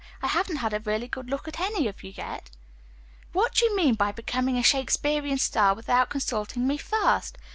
I haven't had a really good look at any of you yet." "What do you mean by becoming a Shakespearian star without consulting me first!"